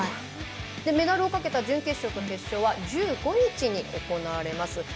メダルをかけた準決勝と決勝は１５日に行われます。